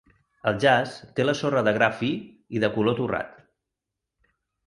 El jaç té la sorra de gra fi i de color torrat.